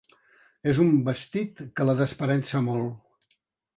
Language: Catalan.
És un vestit que la desparença molt.